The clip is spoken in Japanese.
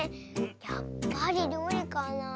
やっぱりりょうりかなあ。